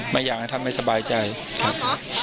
ไม่อยากจะทำให้สบายใจครับ